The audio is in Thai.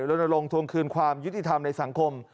ลงทวงคืนความยุติธรรมในสังคม